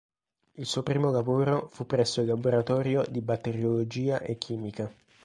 Il suo primo lavoro fu presso il Laboratorio di Batteriologia e Chimica.